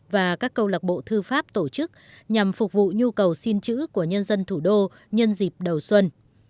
và các câu lạc bộ thư pháp tổ chức nhằm phục vụ nhu cầu xin chữ của nhân dân thủ đô nhân dịp đầu xuân